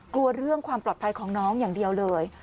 เรื่องความปลอดภัยของน้องอย่างเดียวเลย